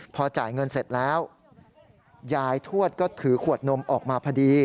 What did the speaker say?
พอจ่ายเงินเสร็จแล้วยายทวดก็ถือขวดนมออกมาพอดี